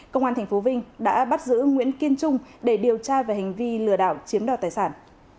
công an tp vinh đã bắt giữ nguyễn kiên trung để điều tra về hành vi lừa đảo chiếm đoạt tài sản